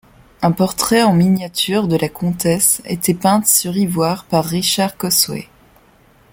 Un portrait en miniature de la comtesse était peinte sur ivoire par Richard Cosway.